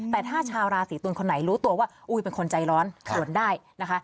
แต่ถ้าชาวราศีตุลคนไหนรู้ตัวว่าอุ้ยเป็นคนใจร้อนสวนได้นะคะ